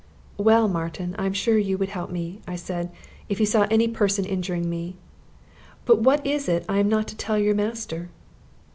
"Well, Martin, I am sure you would help me," I said, "if you saw any person injuring me. But what is it I am not to tell your master?"